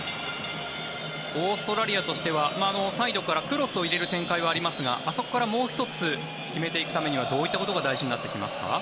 オーストラリアとしてはサイドからクロスを入れる展開はありますがあそこからもう１つ決めていくためにはどういったことが大事になってきますか？